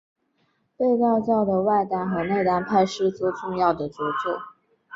被道教的外丹和内丹派都视为重要的着作。